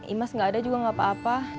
imas gak ada juga gak apa apa